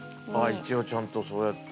一応ちゃんとそうやって。